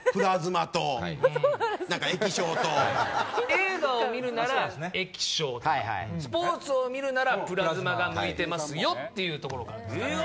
映画を見るなら液晶とかスポーツを見るならプラズマが向いてますよっていうところからですかね。